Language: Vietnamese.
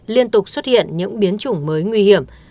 liên tục xuất hiện những biến chủng mới nguy hiểm